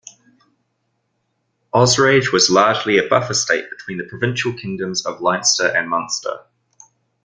Osraige was largely a buffer state between the provincial kingdoms of Leinster and Munster.